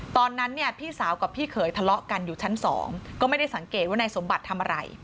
ตอนนั้นเนี่ยพี่สาวกับพี่เขยทะเลาะกันอยู่ชั้นสองก็ไม่ได้สังเกตว่านายสมบัติทำอะไร